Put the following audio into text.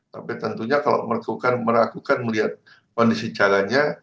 tapi tentunya kalau meragukan melihat kondisi jalannya